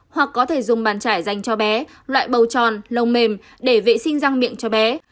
hoặc có thể dùng bàn chải dành cho bé loại bầu tròn lồng mềm để vệ sinh răng miệng cho bé